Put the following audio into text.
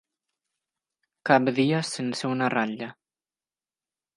Cap dia sense una ratlla.